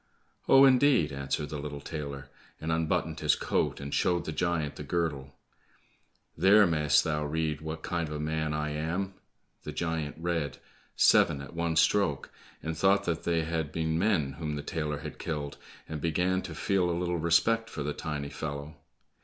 "Oh, indeed?" answered the little tailor, and unbuttoned his coat, and showed the giant the girdle, "There mayst thou read what kind of a man I am!" The giant read, "Seven at one stroke," and thought that they had been men whom the tailor had killed, and began to feel a little respect for the tiny fellow.